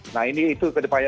nah ini itu kedepannya